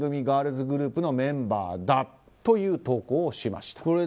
ガールズグループのメンバーだと投稿をしました。